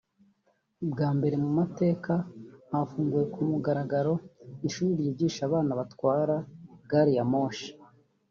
Bwa mbere mu mateka hafunguwe ku mugaragaro ishuri ryigisha abana gutwara gariyamoshi